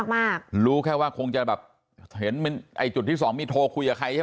มากรู้แค่ว่าคงจะแบบเห็นไอ้จุดที่สองมีโทรคุยกับใครใช่ไหม